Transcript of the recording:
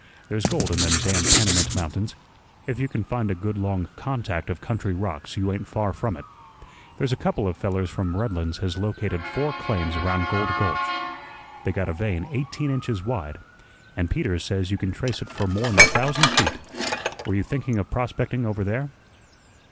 There's gold in them damn Panamint Mountains. If you can find a good long 'contact' of country rocks you ain't far from it. There's a couple of fellars from Redlands has located four claims around Gold Gulch. They got a vein eighteen inches wide, an' Peters says you can trace it for more'n a thousand feet. Were you thinking of prospecting over there?"